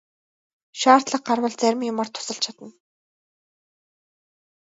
Шаардлага гарвал зарим юмаар тусалж чадна.